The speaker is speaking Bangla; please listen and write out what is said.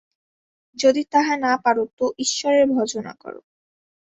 যদি তাহা না পার তো ঈশ্বরের ভজনা কর।